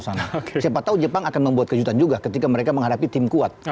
siapa tahu jepang akan membuat kejutan juga ketika mereka menghadapi tim kuat